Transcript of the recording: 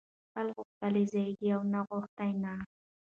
ـ سل غوښتلي ځايږي يو ناغښتى نه.